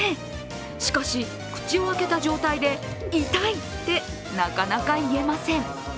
しかし、口を開けた状態で痛いってなかなか言えません。